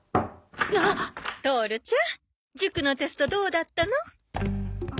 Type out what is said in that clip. トオルちゃん塾のテストどうだったの？